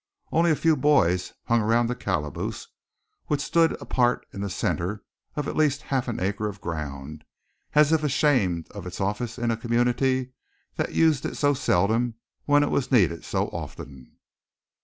Only a few boys hung around the calaboose, which stood apart in the center of at least half an acre of ground, as if ashamed of its office in a community that used it so seldom when it was needed so often.